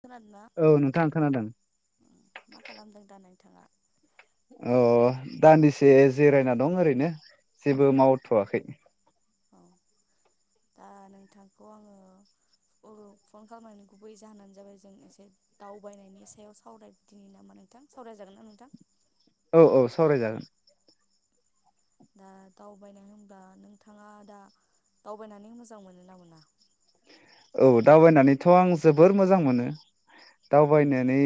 खोनादोना औ नोंथां खोनादों मा खालामदों दा नोंथाङा? अ दान्दिसे जिरायना दं ओरैनो जेबो मावथ'वाखै। औ दा नोंथांखौ आङो [unintelligible] फन खालामनायनि गुबै जाहोनानो जाबाय जों एसे दावबायनायनि सायाव सावरायदिनि नामा नोंथां सावरायजागोन ना नोंथां? औ औ सावरायजागोन। दा दावबायनाय होनब्ला नोंथाङा दा दावबायनानै मोजां मोनो ना मोना? औ दावबायनानैथ' आं जोबोर मोजां मोनो दावबायनानै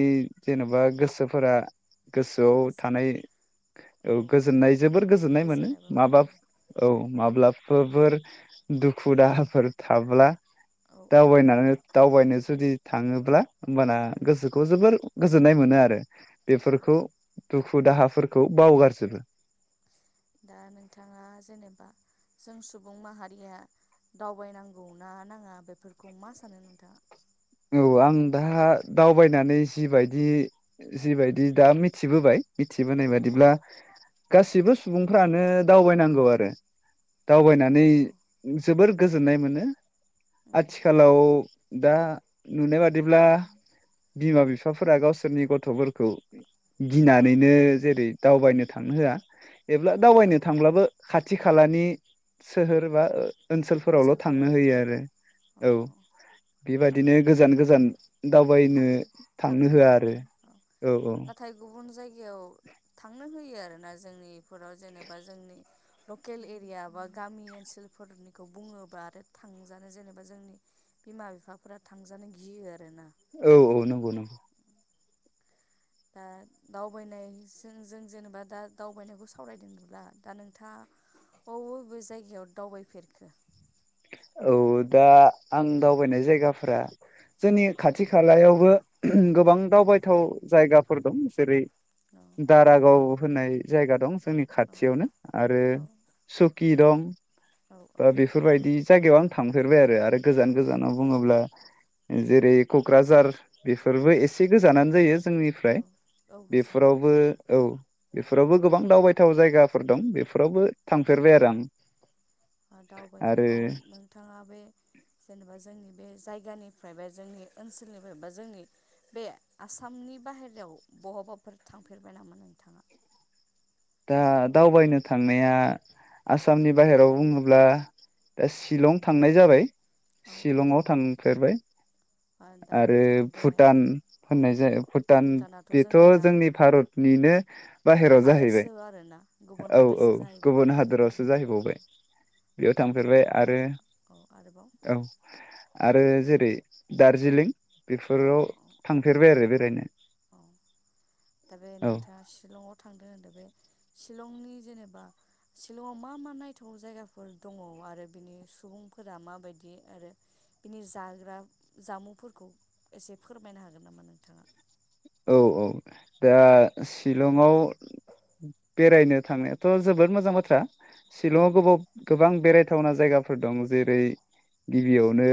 जेनेबा गोसोफोरा, गोसोआव गोजोन थानाय औ गोजोननाय जोबोर गोजोननाय मोनो गोजोननायबो माबा मोनो औ माब्लाबफोरफोर दुखु दाहाफोर थाब्ला, औ औ औ दावबायना दावबायनो जुदि थाङोब्ला, होमबाना उम गोसोखौ जोबोर, गोजोननाय मोनो आरो औ बेफोरखौ दुखु दाहाफोरखौ बावगारजोबो, दा नोंथाङा जेनेबा जों सुबुं माहारिया दावबायनांगौ ना नाङा बेफोरखौ मा सानो नोंथाङा? औ आं दा दावबायनानै जिबायदि जिबायदि दा मिथिबोबाय, मिथिबोनाय औ बादिब्ला, गासिबो सुबुंफ्रानो दावबायनांगौ आरो औ दावबायनानै औ जोबोर, गोजोननाय मोनो, उम आथिखाल दा नुनाय बादिब्ला बिमा बिफा फोरा गावसोरनि गथ'फोरखौ औ गिनानैनो जेरै दावबायनो थांनो होआ। एब्ला होआ औ दावबायनो होआ थांब्लाबो खाथि खा खालानि सोहोर बा ओ ओनसोलफोरावल' ओनसोलफोराव थांनो होयो औ आरो औ बेबादि बिदिनो गोजान गोजान थां दावबायनो थांनो होआ आरो औ औ। नाथाय गुबुन जायगायाव थांनो होयो आरोना जोंनि बेफोराव जेनेबा जोंनि लकेल एरिया बा गामि ओनसोलफोरनिखौ बुङोबा आरो थांजानो जेनेबा जोंनि बिमा बिफाफोरा थांजानो गियो आरोना? औ औ नंगौ नंगौ। दा दावबायनायजों जों जेनेबा दा दावबायनायखौ सावरायदोंब्ला दा नोंथाङा बबे बबे जायगायाव दावबायफेरखो। औ दा आं दावबायनाय जायगाफ्रा जोंनि खाथि खालायावबो गोबां दावबायथाव जायगाफोर दं जेरै औ दारागाव होननाय जायगा दं जोंनि औ खाथियावनो आरो औ सुख खि दं। औ औ। बा बेफोरबायदि जायगायाव आं थांफेरबाय आरो आरो गोजान गोजानाव बुङोब्ला जेरै क'क्राझार बेफोरबो औ एसे गोजानानो जायो औ जोंनिफ्राय औ गोजानाव बेफोरावबो औ। बेफोरावबो गोबां दावबायथाव जायगाफोर दं बेफोरावबो थांफेरबाय आरो आं। [inaudible] दावबायनो आरो औ नोंथाङा बे जेनेबा जोंनि बे जायगानिफ्राय बा जोंनि ओनसोलनिफ्राय बा जोंनि बे आसामनि बाहेरायाव बहाबाफोर थांफेरबाय नामा नोंथाङा। दा दावबायनो थांनाया आसामनि बाहेराव बुङोब्ला दा शिलं थांनाय जाबाय औ औ शिलंआव थांफेरबाय। औ दा आरो नोंथाङा बे भुटान औ होननाय औ जायो भुटान भुटानाथ' बेथ' जोंनिया जोंनि भारतनिनो बाहेरायाव हादोरसो जाहैबाय। आरोना गुबुन औ औ हादोरसो जाहैबाय औ गुबुन हादरावसो जाहैबावबाय बेयाव दा थांफेरबाय नोंथाङा आरो औ आरोबाव औ। आरो जेरै दार्जिलिं औ बेफोराव औ थांफेरबाय आरो बेरायनो। औ दा बे औ नोंथाङा शिलं थांदों होनदों बे शिलंनि जेनेबा शिलंआव मा मा नायथाव जायगाफोर दङ आरो बिनि सुबुंफोरा माबायदि आरो बिनि जाग्रा जामुंफोरखौ एसे फोरमायनो हागोन नामा नोंथाङा। औ औ दा शिलंआव बेरायनो थांनायाथ' जोबोद मोजां बाथ्रा। उम शिलंआव गोबाव गोबां बेराय थावना जायगाफोर दं जेरै गिबियावनो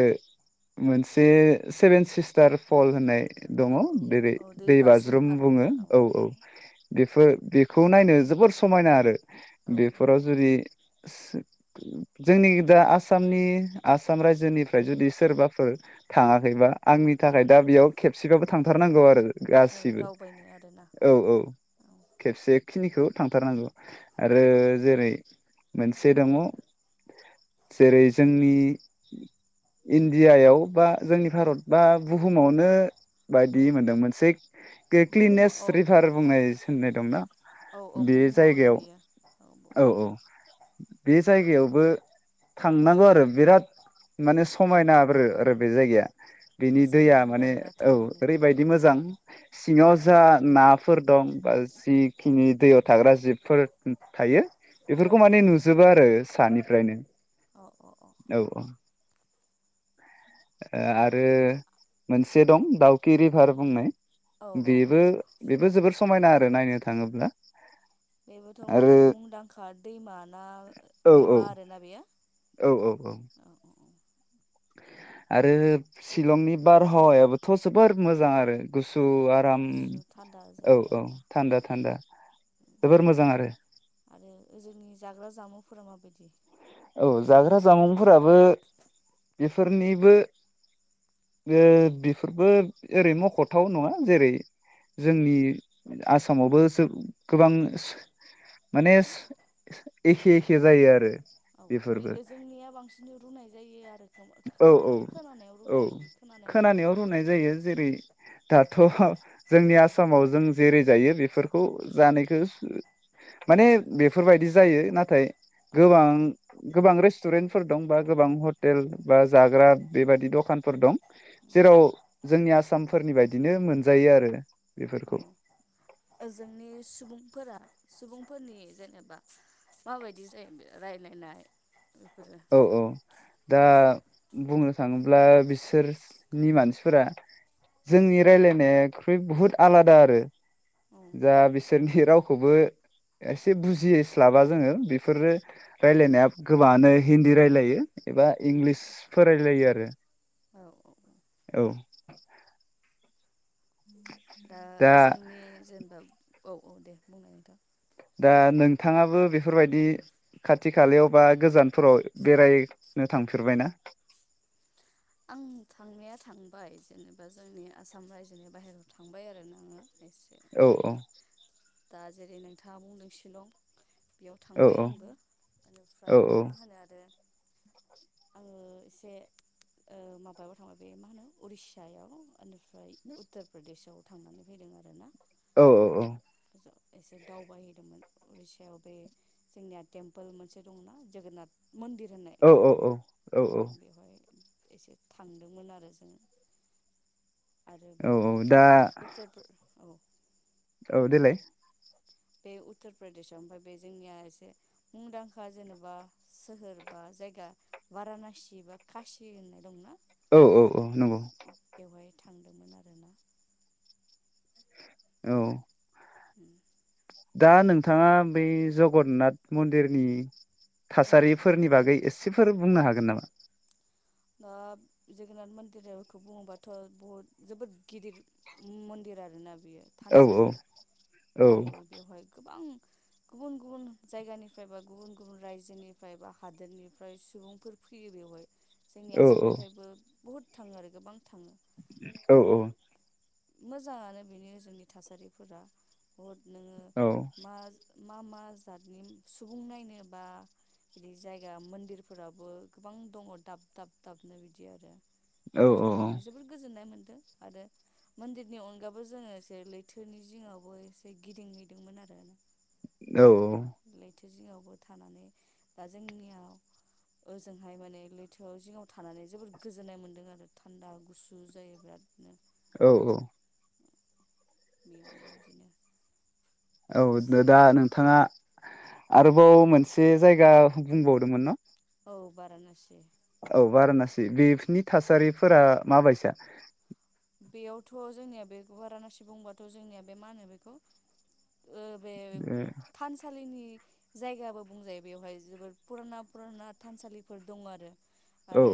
मोनसे सेभेन सिस्टार फल होननाय दङ उम औ जेरै औ दै बाज्रुम आरोना बुङो औ औ बेफोरखौ खौ नायनो जोबोर समायना आरो। औ औ बेफोराव जुदि [inaudible] जोंनि दा आसामनि आसाम रायजोनिफ्राय जुदि सोरबाफोर थाङाखैबा आंनि औ थाखाय दा बेयाव खेबसेबाबो थांथारनांगौ आरो औ गासिबो दावबायनो आरोना औ औ औ खेबसे खिनिखौ थांथारनांगौ आरो जेरै मोनसे दङ जेरै जोंनि इण्डियायाव बा जोंनि भारत बा बुहुमावनो औ बायदि मोनदोंमोन से खि क्लिनेस बुहुमाव औ रिभार बुंनाय सोननाय दंना औ औ बे बुहुमावनो जायगायाव बेयो औ औ बुहुमावनो बे जायगायाव बो थांनांगौ आरो बिराद माने समायना बोरो आरो बे जायगाया बिनि मोजां दैया नाङो माने आरोना औ थांनानै ओरैबायदि मोजां सिङाव जा नाफोर दं बा जिखिनि दैयाव थाग्रा जिबफोर थायो औ बेफोरखौ माने नुजोबो आरो सानिफ्रायनो औ औ ओ आरो मोनसे दं दाउकि रिभार बुंनाय औ औ औ बेबो औ बेबो जोबोर समायना आरो नायनो थाङोब्ला बेबोथ आरो मोनसे मुंदांखा दैमा ना औ औ दैमा आरोना बेयो औ औ औ औ औ आरो शिलंनि बारहावायाबोथ जोबोर मोजां आरो गुसु आराम गुसु थान्दा औ जायो औ आरोना थान्दा थान्दा जोबोर मोजां आरो आरो ओ जोंनि जाग्रा जामुंफोरा माबायदि औ जाग्रा जामुंफोराबो बेफोरनिबो ओ बेफोरबो ओरै मखथाव नङा जेरै जोंनि आसामावबो सो गोबां सो माने एखे एखे जायो आरो औ बेफोरबो बे जोंनिया बांसिन रुनाय जायो आरो औ खोमा ना औ खोनानायाव औ रुनाय बिदि खोनानो मोनदों खोनानायाव रुनाय जायो जेरै दाथ जोंनि आसामाव जों जेरै जायो बेफोरखौ जानायखौ माने बेफोरबायदि जायो नाथाय औ गोबां गोबां रे रस्टुरेन्टफोर दं बा गोबां हटेल बा जाग्रा बेबादि दखानफोर दं जेराव जोंनि आसामफोरनि बायदिनो मोनजायो आरो औ बेफोरखौ ओ जोंनि सुबुंफोरा सुबुंफोरनि जेनेबा माबायदि जायो रायलायनाय बेफोरो औ औ दा बुंनो थाङोब्ला बिसोरनि मानसिफोरा औ जोंनि रायलायनाय खो बे बहुत आलादा आरो औ जा बिसोरनि राव खौबो एसे बुजिस्लाबा जोङो बेफोरो रायलायनाया गोबाङानो हिन्दी रायलायो एबा इंलिस फोर रायलायो आरो औ औ ओ औ [inaudible] [inaudible] दा ओ जोंनि जेनेबा औ औ दे बुंनाय नोंथां दा नोंथाङाबो बेफोरबायदि खाथि खालायाव बा गोजानफोराव बेरायनो थांफेरबायना आं थांनाया थांबाय जेनेबा जोंनि आसाम रायजोनि बाहेरायाव थांबाय आरोना आङो एसे औ औ ओरैनो दा जेरै नोंथाङा बुंदों सिलं बेयाव औ थांबाय आंबो औ बेनिफ्राय बे मा होनो आरो आङो एसे ओ माबायाव थांबाय बे मा होनो उरिस्सायाव निफ्राय उत्तर प्रदेशआव थांनानै फैदों आरो ना औ औ औ एसे दावबायहैदोंमोन उरिस्याव बे जोंनिया टेम्पोल मोनसे दंना जोगोनाथ मन्दिर होननाय औ औ बेवहाय एसे थांदोंमोन आरो जोङो आरो बे औ औ दा उत्तप्र औ औ देलाय बे उत्तर प्रदेशआव ओमफ्राय बे जोंनिया एसे मुंदांखा जेनेबा सोहोर बा जायगा बारानसि बा खासि होननाय दंना औ औ औ नंगौ बेवहाय थांदोंमोन आरोना औ उम दा नोंथाङा बै जगन्नाथ मन्दिरनि औ थासारिफोरनि बागै एसे एसेफोर बुंनो हागोन नामा ओ दा जोगनाथ मन्दिरखौ बुङोबाथ' बहुद जोबोद गिदिर मन्दिर आरोना बेयो औ औ थानसालि औ ओमफाय बेवहाय गोबां गुबुन गुबुन जायगानिफ्राय बा गुबुन गुबुन रायजोनिफ्राय बा हादोरनिफ्राय सुबुंफोर फैयो बेवहाय जोंनि औ आसामनिफ्रायबो बुहुत थाङो आरो गोबां थाङो औ औ मोजाङानो बेनो जोंनि थासारिफोरा बहुत नोङो औ मा मा मा जादनि सुबुं नायनो बा बिदि जायगा मन्दिरफोराबो गोबां दङ दाब दाब दाबनो बिदि आरो औ थांनानै जोबोद गोजोननाय मोन आरो मन्दिरनि अनगाबो जोङो एसे लैथोनि जिङावबो एसे गिदिंहैदोंमोन आरो ना। औ औ थो जिङाव बो थानानै दा जोंनियाव ओजोंहाय माने लैथोआव जिङाव थानानै जोबोद गोजोननाय मोन्दों आरो थान्दा गुसु जायो बिरादनो। औ औ। बेयावनो बिदिनो औ एसे दा नोंथाङा औ आरोबाव मोनसे जायगा बुंबावदोंमोन ना? औ बारानासि औ बारानासि बेफोरनि थासारिफोरा माबायसा? बेयावथ' जोंनिया बे बारानासि बुंबाथ' जोंनिया बे मा होनो बेखौ ओ बे थानसालिनि जायगाबो बुंजायो बेवहाय जोबोर फुराना फुराना थानसालिफोर दङो आरो औ आरो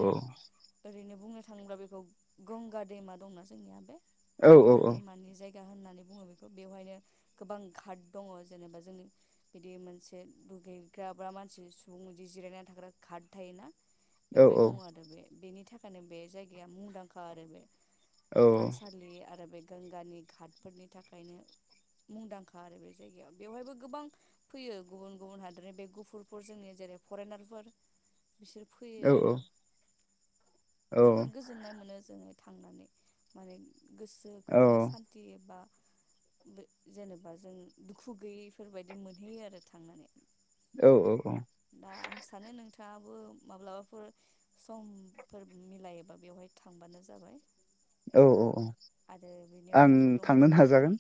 ओरैनो बुंनो थांब्ला बेखौ गंगा दैमा दंना जोंनिया बे औ गोंगा दैमानि जाय गा होननानै बुङो बेखौ बेवहायनो गोबां गाट दङ जेनेबा जोंनि बिदि मोनसे दुगै ग्राब्रा मानसि सुबुं बिदि जिरायनानै थाग्रा गाट थायोना। औ बेवहाय दङ आरो बे बेनि था खायनो‌ बे जायगाया मुंदांखा आरो बे। औ थानसालि आरो बे गोंगानि गाटफोरनि थाखायनो मुंदांखा आरो बे जायगायाव बेवहायबो गोबां फैयो गुबुन - गुबुन हादोरनि बे गुफुरफोर जोंनि जेरै फरेनारफोर। बिसोर औ फैयो आरो। जोबोद गोजोननाय मोनो जोङो। थांनानै माने गोसोखौनो सान्थि एबा बे जेनेबा जों दुखु गैयैफोरबायदि मोनहैयो आरो थांनानै। औ -औ -औ। थाङाबो माब्लाबाफोर समफोर मिलायोबा बेवहाय थांबानो जाबाय। औ -औ -औ आरो बेनि आं अनगाथ' दङ थांनो जोंनि नाजागोन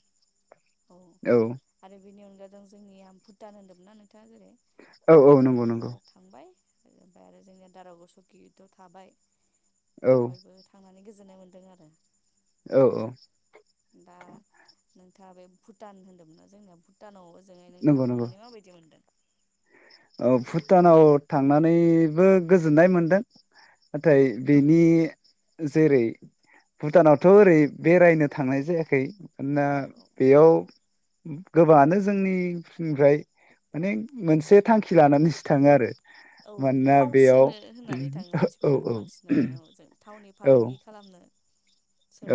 औ। आरो बेनि अनगा दं जोंनिया भुटान होनदोंमोन ना नों थाङा जेरै औ ओ औ नंगौ भुटानावबो नंगौ थांबाय। ओमफ्राय आरो जोंनिया दारागाव, सुकिथ' थाबाय। औ बेवहायबो थांनानै गोजोन्नाय मोनदों आरो [inaudible] औ -औ। दा नों नोंथाङा बे भुटान होनदोंमोन ना जोंनिया भुटानाव [unintelligible] नंगौ नोंथाङा नंगौ थांनानै माबायदि मोनदों? औ भुटानाव थांनानैबो गोजोननाय मोनदों। नाथाय औ बेनि जेरै भुटानावथ' ओरै बेरायनो थांनाय जायाखै ना औ औ बेयाव गोबाङानो जोंनिनिफ्राय माने मोनसे थांखि लानानैसो थाङो आरो। औ मानोना थाव बेयाव सोनो होननानै थाङो औ मानसिफोरा औ बांसिनानो औ जों थावनि औ फालांगि खालामनो।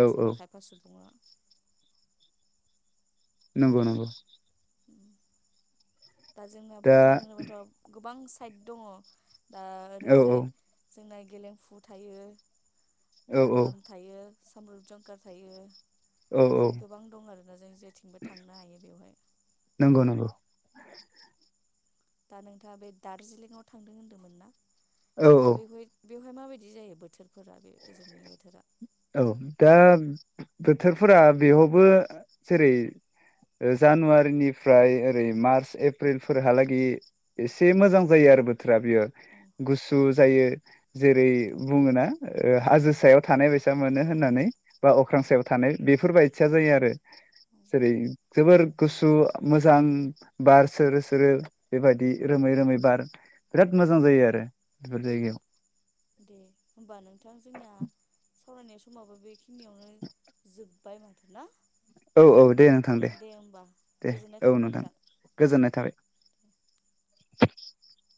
औ औ सोरबा खायफा सुबुङा नंगौ नंगौ। दा जोंना दा भुटान होनोबाथ' गोबांस साइड दङ'। दा औ ओरैजाय औ जोंनाय गेलेंफु थायो। औ औ नांलाम थायो। समरुप जंका थायो। औ औ बिदिनो गोबां दं आरोना जों जेथिंबो थांनो हायो बेवहाय। नंगौ [inaudible] दा नोंथाङा बे दार्जिलिंआव थांदों होन्दोंमोन ना? औ औ दा बेेखौहाय बेवहाय माबायदि जायो बोथोर फोरा बे ओजोंनि बोथोरा औ दा बोथोरफोरा बेयावबो जेरै ओ जानुवारिनिफ्राय ओरै मार्च एप्रिलफोरहालागै एसे मोजां जायो आरो बोथोरा बेयो औ गुसु जायो जेरै बुङोना ओ हाजो सायाव थानाय बैसा मोनो औ होननानै बा अख्रां सायाव थानाय बेफोरबायदिया जायो आरो औ जेरै जोबोर गुसु मोजां बार सोरो सोरो बेबायदि औ औ रोमै रोमै बार बिराद मोजां जायो आरो बेफोर जायगायाव। दे होमबा नोंथां जोंना सावरायनाय समाबो बेखिनियाव [inaudible] बाय माथो ना? औ औ दे नोंथां दे होमबा दे गोजोननाय औ थाबाय नोंथां गोजोननाय थाबाय। [inaudible]